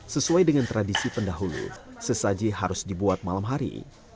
sesuai dengan tradisi pendahulu sesaji harus dibuat malam hari